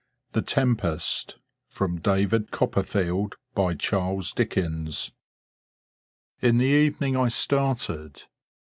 THE TEMPEST (From David Copperfield.) By CHARLES DICKENS. In the evening I started